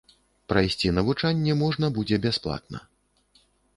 Прайсці навучанне можна будзе бясплатна.